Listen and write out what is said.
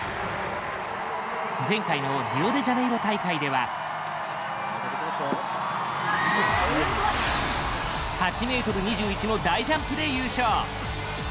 前回のリオデジャネイロ大会では８ｍ２１の大ジャンプで優勝！